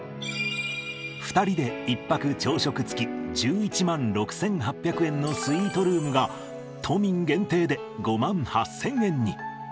２人で１泊朝食付き１１万６８００円のスイートルームが、都民限定で５万８０００円に。